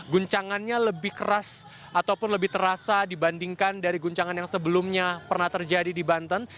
guncangannya lebih keras ataupun lebih terasa dibandingkan dari guncangan yang sebelumnya pernah terjadi di banten